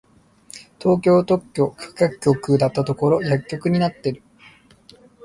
東京特許許可局だったところ薬局になってる！